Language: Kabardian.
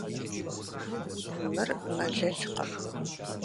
Мыр мэлылкъым.